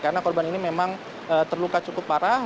karena korban ini memang terluka cukup parah